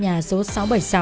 nhà số sáu trăm bảy mươi sáu